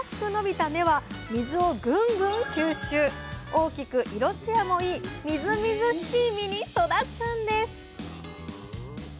大きく色つやもいいみずみずしい実に育つんです